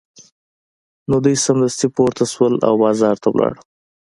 نو دوی سمدستي پورته شول او بازار ته لاړل